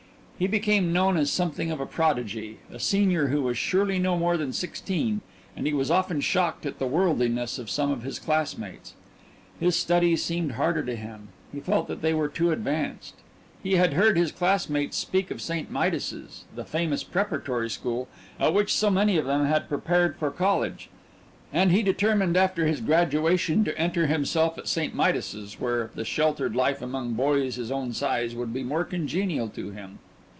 He became known as something of a prodigy a senior who was surely no more than sixteen and he was often shocked at the worldliness of some of his classmates. His studies seemed harder to him he felt that they were too advanced. He had heard his classmates speak of St. Midas's, the famous preparatory school, at which so many of them had prepared for college, and he determined after his graduation to enter himself at St. Midas's, where the sheltered life among boys his own size would be more congenial to him.